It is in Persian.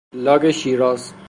لاگ شیراز